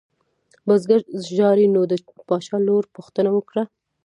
بزګر ژاړي نو د باچا لور پوښتنه وکړه.